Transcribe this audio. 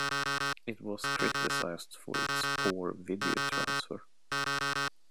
It was criticized for its poor video transfer.